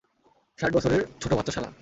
ষাট বছরের ছোট বাচ্চা শালা!